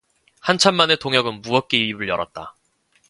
한참 만에 동혁은 무겁게 입을 열었다.